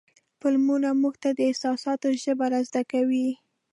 فلمونه موږ ته د احساساتو ژبه را زده کوي.